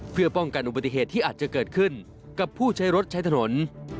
เพื่อป้องกันอุบัติเหตุที่อาจจะเกิดขึ้นกับผู้ใช้รถใช้ถนน